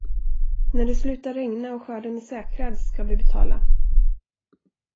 När det slutar regna och skörden är säkrad ska vi betala.